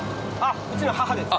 うちの母です。